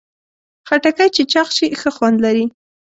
خټکی چې چاق شي، ښه خوند لري.